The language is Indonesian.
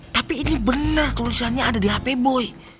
tapi ini bener tulisannya ada di hp boy